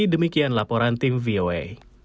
demikian laporan tim voa